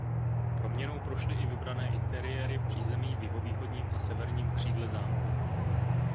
Proměnou prošly i vybrané interiéry v přízemí v jihovýchodním a severním křídle zámku.